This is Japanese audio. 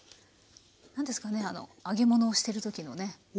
何ですかねあの揚げ物をしてる時のね食欲が。